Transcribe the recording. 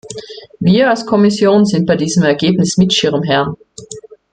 Wir als Kommission sind bei diesem Ereignis Mitschirmherren.